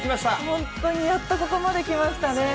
本当にやっとここまできましたね。